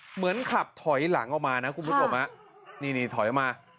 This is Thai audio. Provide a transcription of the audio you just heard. เหมือนขับถอยหลังออกมานะคุณผู้ชมฮะนี่นี่ถอยออกมา